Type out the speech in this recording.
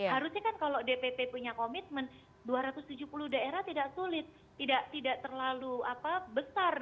harusnya kan kalau dpp punya komitmen dua ratus tujuh puluh daerah tidak sulit tidak terlalu besar